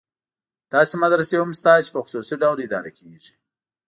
داسې مدرسې هم شته چې په خصوصي ډول اداره کېږي.